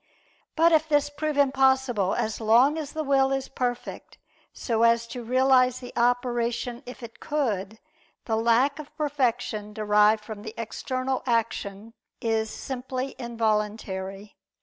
But if this prove impossible, as long as the will is perfect, so as to realize the operation if it could; the lack of perfection derived from the external action, is simply involuntary.